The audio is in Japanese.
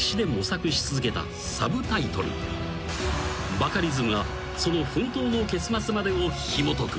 ［バカリズムがその本当の結末までをひもとく］